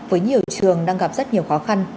với nhiều trường đang gặp rất nhiều khó khăn